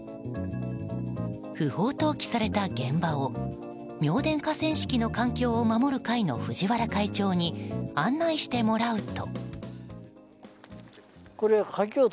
不法投棄された現場を妙典河川敷の環境を守る会の藤原会長に案内してもらうと。